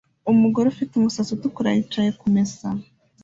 Umugore ufite umusatsi utukura yicaye kumesa